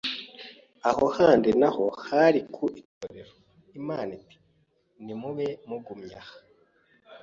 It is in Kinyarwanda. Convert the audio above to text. Aho handi naho hari ku itorero, Imana iti nimube mugumye aha,